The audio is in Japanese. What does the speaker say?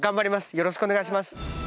よろしくお願いします